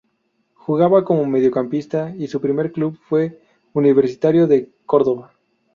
Jugaba como mediocampista y su primer club fue Universitario de Córdoba.